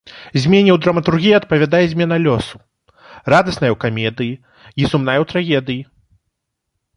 Змене ў драматургіі адпавядае змена лёсу, радасная ў камедыі і сумная ў трагедыі.